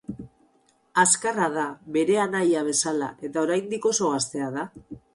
Azkarra da, bere anaia bezala, eta oraindik oso gaztea da.